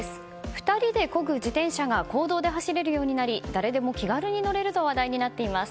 ２人でこぐ自転車が公道で走れるようになり誰でも気軽に乗れると話題になっています。